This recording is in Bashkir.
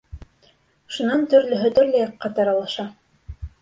Шунан төрлөһө төрлө яҡҡа таралыша.